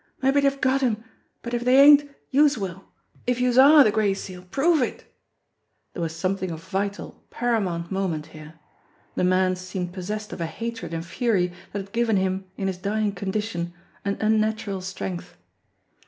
"Mabbe dey've got him, but if dey ain't, youse will if youse are de Gray Seal. Prove it !" There was something of vital, paramount moment htre. The man seemed possessed of a hatred and fury that had given him, in his dying condition, an unnatural strength.